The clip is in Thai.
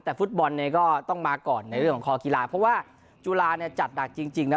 แต่ฟุตบอลเนี่ยก็ต้องมาก่อนในเรื่องของคอกีฬาเพราะว่าจุฬาเนี่ยจัดหนักจริงนะ